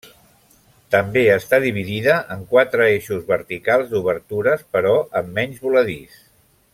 També està dividida en quatre eixos verticals d'obertures, però amb menys voladís.